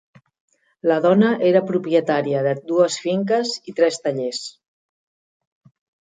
La dona era propietària de dues finques i tres tallers.